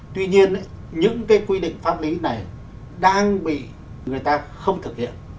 tuy nhiên những cái quy định pháp lý này đang bị người ta không thực hiện